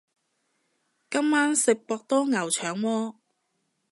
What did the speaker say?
今晚食博多牛腸鍋